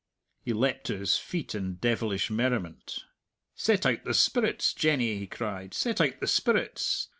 _" He leapt to his feet in devilish merriment. "Set out the spirits, Jenny!" he cried; "set out the spirits!